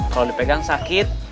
kalau dipegang sakit